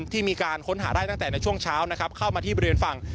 ที่มีการค้นหาได้ตั้งแต่ในช่วงเช้านะครับเข้ามาที่บริเวณฝั่ง